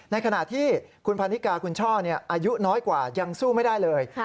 ในขณะที่คุณพันนิกาคุณช่ออายุน้อยกว่ายังสู้ไม่ได้เลย